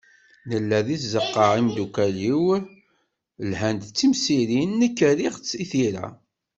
Nella di tzeqqa, imeddukkal-iw, lhan-d d temsirin, nekk rriɣ-tt i tira.